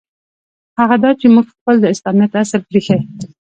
هغه دا چې موږ خپل د اسلامیت اصل پرېیښی.